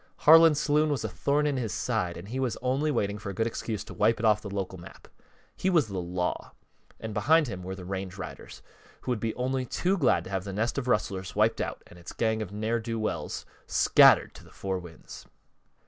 Harlan's saloon was a thorn in his side and he was only waiting for a good excuse to wipe it off the local map. He was the Law, and behind him were the range riders, who would be only too glad to have the nest of rustlers wiped out and its gang of ne'er do wells scattered to the four winds.